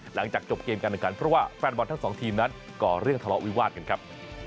หลังจากจบเกมการแข่งขันเพราะว่าแฟนบอลทั้งสองทีมนั้นก่อเรื่องทะเลาะวิวาสกันครับ